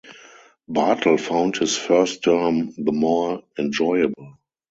Bartle found his first term the more enjoyable.